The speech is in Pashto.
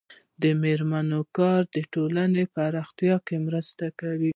د میرمنو کار د ټولنې پراختیا مرسته کوي.